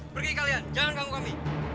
pergi kalian jangan ganggu kami